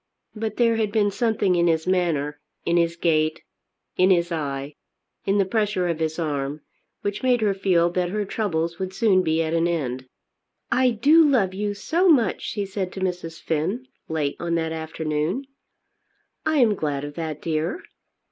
But there had been something in his manner, in his gait, in his eye, in the pressure of his arm, which made her feel that her troubles would soon be at an end. "I do love you so much," she said to Mrs. Finn late on that afternoon. "I am glad of that, dear."